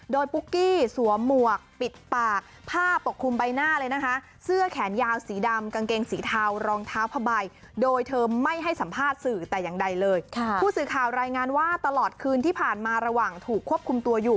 โดยปุ๊กกี้สวมหมวกปิดปากผ้าปกคลุมใบหน้าเลยนะคะ